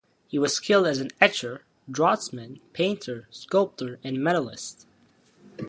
He was skilled as an etcher, draughtsman, painter, sculptor and medalist.